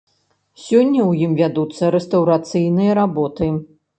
Сёння ў ім вядуцца рэстаўрацыйныя работы.